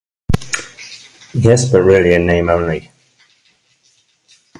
Yes but really in name only.